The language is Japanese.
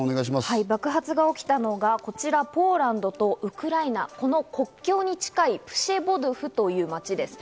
爆発が起きたのがこちら、ポーランドとウクライナ、この国境に近いプシェボドゥフという町です。